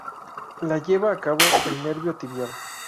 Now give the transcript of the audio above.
La lleva a cabo el nervio tibial.